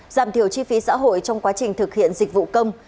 giảm thiểu chi phí xã hội trong quá trình thực hiện dịch vụ công